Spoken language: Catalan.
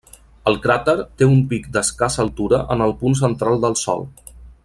El cràter té un pic d'escassa altura en el punt central del sòl.